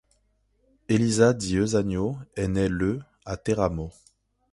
Elisa Di Eusanio est née le à Teramo.